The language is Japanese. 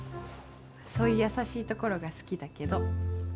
そういう優しいところが好きだけど。